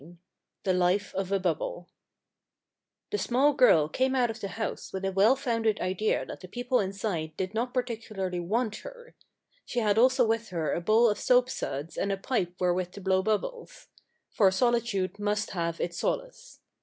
Ill THE LIFE OF A BUBBLE THE small girl came out of the house with a well founded idea that the people inside did not par ticularly want her. She had also with her a bowl of soapsuds and a pipe wherewith to blow bubbles. For solitude must have its solace.